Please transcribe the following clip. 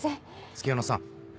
月夜野さん。